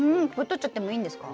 とっちゃってもいいですよ。